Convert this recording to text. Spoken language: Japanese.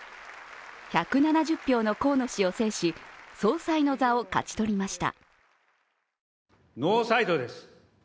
１７０票の河野氏を制し総裁の座を勝ち取りました。